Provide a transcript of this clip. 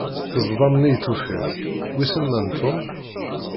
Ṭṭezdam-nni i tufiḍ, wissen ma n Tom?